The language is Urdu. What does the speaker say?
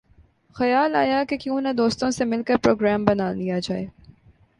خیال آیا کہ کیوں نہ دوستوں سے مل کر پروگرام بنایا جائے